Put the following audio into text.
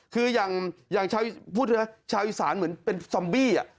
คืออย่างชาวอีสานเหมือนเป็นซอมบี้